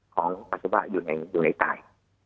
ของผลักษณวะอยู่ในตาย